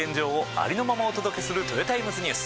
ありのままお届けするトヨタイムズニュース